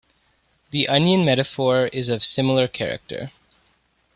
The onion metaphor is of similar character.